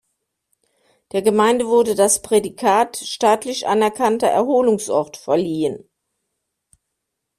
Der Gemeinde wurde das Prädikat "staatlich anerkannter Erholungsort" verliehen.